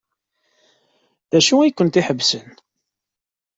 D acu ay kent-iḥebsen?